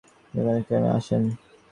যেখানে আপনি এখানে আছেন।